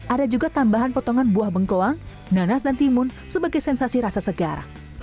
ada juga tambahan potongan buah bengkoang nanas dan timun sebagai sensasi rasa segar